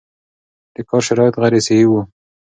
د کار شرایط غیر صحي وو